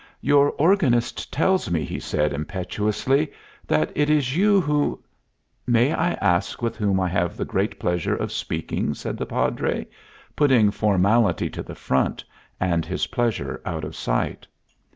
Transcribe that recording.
"Your organist tells me," he said, impetuously, "that it is you who " "May I ask with whom I have the great pleasure of speaking?" said the Padre, putting formality to the front and his pleasure out of sight.